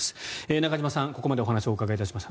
中島さんにここまでお話をお伺いしました。